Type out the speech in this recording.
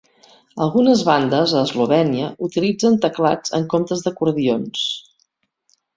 Algunes bandes a Eslovènia utilitzen teclats en comptes d'acordions.